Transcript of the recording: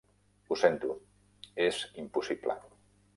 Ho sento, és impossible.